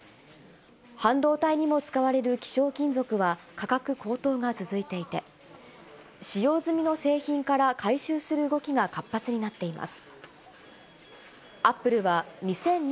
半導体にも使われる希少金属は価格高騰が続いていて、使用済みの製品から回収する動きが活発になっています。